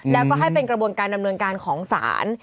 แล้วก็ให้เป็นกระบวนการดำเนินการของศาล